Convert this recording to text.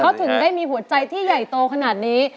เขาถึงได้มีหัวใจที่ใหญ่โตขนาดนี้